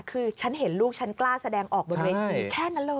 คือฉันเห็นลูกฉันกล้าแสดงออกบนเวทีแค่นั้นเลย